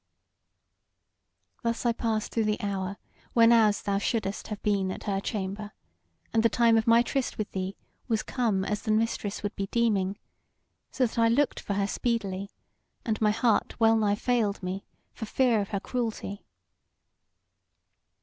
Thus I passed through the hour whenas thou shouldest have been at her chamber, and the time of my tryst with thee was come as the Mistress would be deeming; so that I looked for her speedily, and my heart wellnigh failed me for fear of her cruelty."